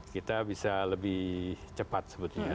kita bisa lebih cepat sebetulnya